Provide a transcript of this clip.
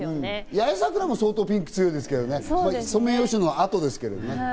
八重桜も相当、ピンク強いですけどね、ソメイヨシノの後ですけどね。